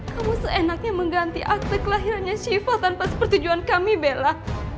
kamu seenaknya mengganti akte kelahirannya shiva tanpa pertujuan kami bella